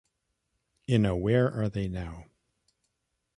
In a Where Are They Now?